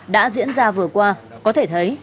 đã diễn ra vừa qua có thể thấy